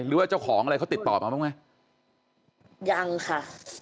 หรือว่าเจ้าของอะไรเขาติดต่อมาบ้างไหมยังค่ะ